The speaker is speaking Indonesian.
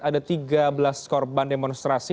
ada tiga belas korban demonstrasi